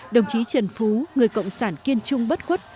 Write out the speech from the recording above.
đồng chí trần phú người cộng sản kiên trung bất khuất